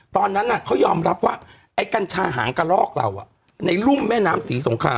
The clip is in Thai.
ตอนนั้นเขายอมรับว่าไอ้กัญชาหางกระลอกเราในรุ่มแม่น้ำศรีสงคราม